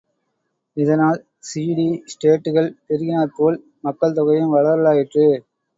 இதனால் சிடி ஸ்டேட்டுகள் பெருகினாற்போல், மக்கள்தொகையும் வளரலாயிற்று.